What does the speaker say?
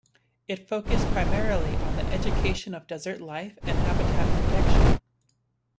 It focused primarily on the education of desert life and habitat protection.